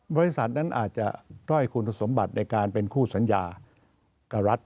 บริษัทนั้นอาจจะด้อยคุณสมบัติในการเป็นคู่สัญญากับรัฐ